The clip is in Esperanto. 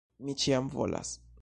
Mi ĉiam volas!